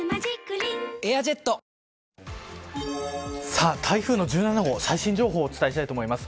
さあ台風の１７号最新情報をお伝えしたいと思います。